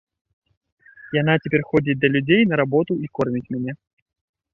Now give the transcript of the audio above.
Яна цяпер ходзіць да людзей на работу і корміць мяне.